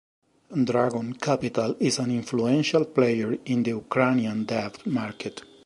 Dragon Capital is an influential player in the Ukrainian debt market.